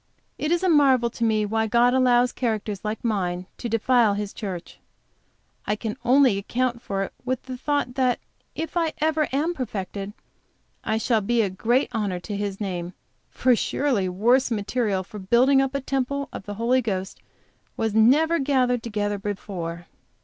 It is a marvel to me why God allows characters like mine to defile His church. I can only account for it with the thought that if I ever am perfected, I shall be a great honor to His name, for surely worse material for building up a temple of the Holy Ghost was never gathered together before.